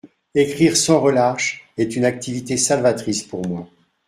Écrire sans relâche est une activité salvatrice pour moi.